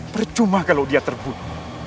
percuma kalau dia terbunuh